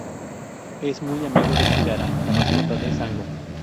Es muy amigo de Kirara, la mascota de Sango.